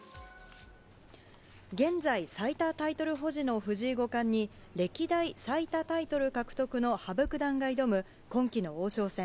現在、最多タイトル保持の藤井五冠に、歴代最多タイトル獲得の羽生九段が挑む今期の王将戦。